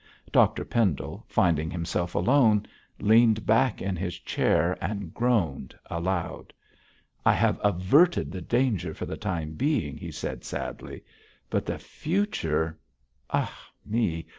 Dr Pendle, finding himself alone, leaned back in his chair and groaned aloud. 'I have averted the danger for the time being,' he said sadly, 'but the future ah, me!